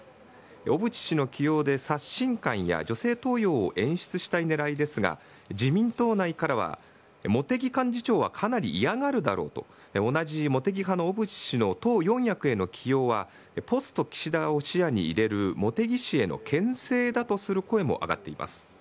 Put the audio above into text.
小渕氏の起用で刷新感や女性登用を演出したいねらいですが、自民党内からは、茂木幹事長はかなり嫌がるだろうと、同じ茂木派の小渕氏の党四役への起用は、ポスト岸田を視野に入れる、茂木氏へのけん制だとする声も上がっています。